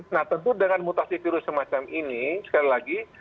nah tentu dengan mutasi virus semacam ini sekali lagi